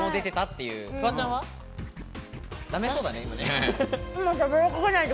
今だめそうだね。